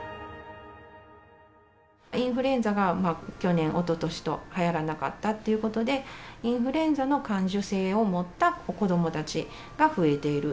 インフルエンザが去年、おととしと、はやらなかったということで、インフルエンザの感受性を持った子どもたちが増えている。